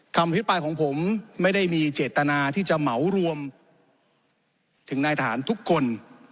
พิปรายของผมไม่ได้มีเจตนาที่จะเหมารวมถึงนายทหารทุกคน